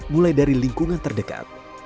mulai dari lingkungan terdekat